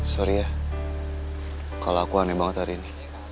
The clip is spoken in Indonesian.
sorry ya kalau aku aneh banget hari ini